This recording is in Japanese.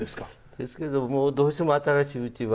ですけどもどうしても新しいうちは。